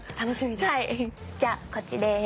じゃあこっちです。